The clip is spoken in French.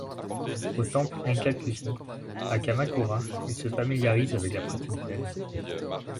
Au temple Engaku-Ji, à Kamakura, il se familiarise avec la pratique Zen.